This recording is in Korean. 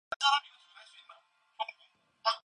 그러니 그 시간과 비용도 적지 않다.